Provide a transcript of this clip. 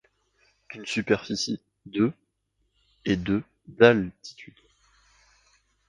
D'une superficie de et de d'attitude.